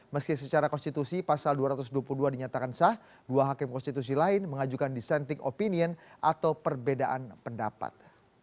meski secara konstitusi pasal dua ratus dua puluh dua dinyatakan sah dua hakim konstitusi lain mengajukan dissenting opinion atau perbedaan pendapat